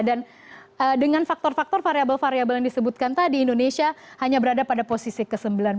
dan dengan faktor faktor variabel variabel yang disebutkan tadi indonesia hanya berada pada posisi ke sembilan puluh enam